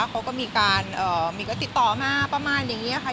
เขาก็มีการติดต่อมาประมาณอย่างนี้ค่ะ